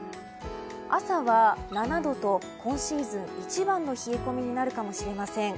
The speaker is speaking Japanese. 朝は７度と今シーズン一番の冷え込みになるかもしれません。